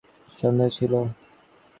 মনে মনে বিভার সে-বিষয়ে বিষম সন্দেহ ছিল।